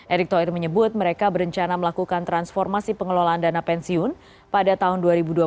erick thohir menyebut mereka berencana melakukan transformasi pengelolaan dana pensiun pada tahun dua ribu dua puluh tiga